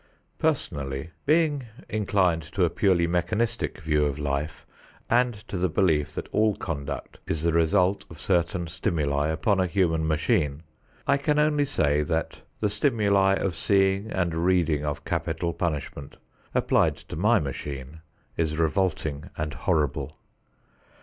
Personally, being inclined to a purely mechanistic view of life and to the belief that all conduct is the result of certain stimuli upon a human machine, I can only say that the stimuli of seeing and reading of capital punishment, applied to my machine, is revolting and horrible.